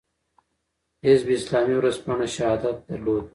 حزب اسلامي ورځپاڼه "شهادت" درلوده.